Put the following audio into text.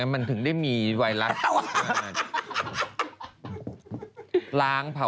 มันถึงได้มีไวรัส